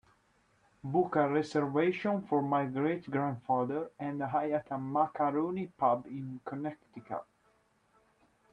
Book a reservation for my great grandfather and I at a macaroni pub in Connecticut